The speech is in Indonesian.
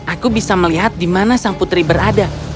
aku bisa melihat di mana sang putri berada